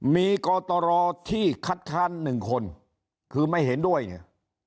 มีกตรที่คัดค้านหนึ่งคนคือไม่เห็นด้วยเนี่ย